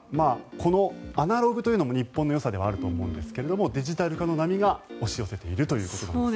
このアナログというのも日本のよさではあると思うんですがデジタル化の波が押し寄せているということです。